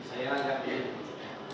saya agak jelas